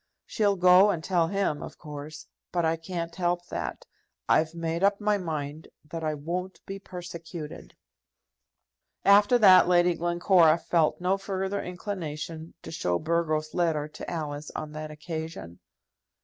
She'll go and tell him, of course; but I can't help that. I've made up my mind that I won't be persecuted." After that, Lady Glencora felt no further inclination to show Burgo's letter to Alice on that occasion.